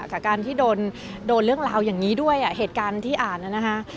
จากการที่โดนเรื่องราวอย่างนี้ด้วยเหตุการณ์ที่อ่านนะฮะ